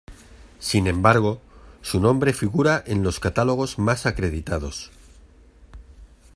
Sin embargo, su nombre figura en los catálogos más acreditados.